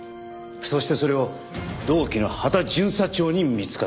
そしてそれを同期の羽田巡査長に見つかった。